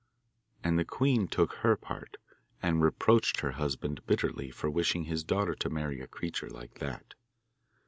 And the queen took her part, and reproached her husband bitterly for wishing his daughter to marry a creature like that.